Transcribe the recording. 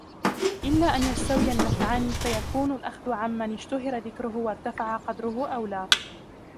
إلَّا أَنْ يَسْتَوِيَ النَّفْعَانِ فَيَكُونُ الْأَخْذُ عَمَّنْ اُشْتُهِرَ ذِكْرُهُ وَارْتَفَعَ قَدْرُهُ أَوْلَى